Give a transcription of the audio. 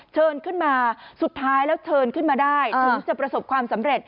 เชิญขึ้นมาสุดท้ายแล้วเชิญขึ้นมาได้ถึงจะประสบความสำเร็จ